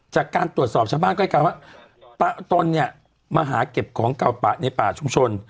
จากการตรวจสอบชาวบ้านก็ให้การว่าตนเนี่ยมาหาเก็บของเก่าปะในป่าชุมชน